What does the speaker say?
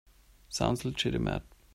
Sounds legitimate.